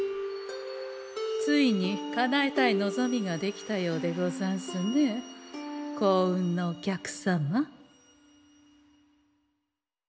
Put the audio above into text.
ついにかなえたい望みができたようでござんすね幸運のお客様。